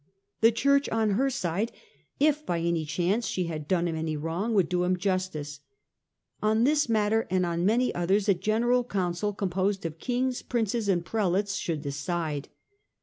The Church on her side, if by any chance she had done him any wrong, would do him justice. On this matter and on many others a General Council, composed of Kings, Princes and Prelates, should decide.